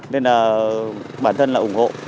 nên là bản thân là ủng hộ